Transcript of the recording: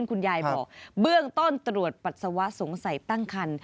คุณยายบอกเบื้องต้นตรวจปัสสาวะสงสัยตั้งคัน